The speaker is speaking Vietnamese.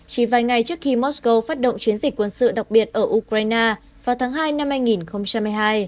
chỉ vài ngày trước khi mosco phát động chiến dịch quân sự đặc biệt ở ukraine vào tháng hai năm hai nghìn hai mươi hai